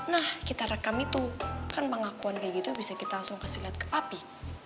nah kita rekam itu kan pengakuan kayak gitu bisa kita langsung kasih lihat ke api